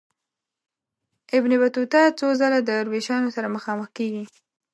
ابن بطوطه څو ځله د دروېشانو سره مخامخ کیږي.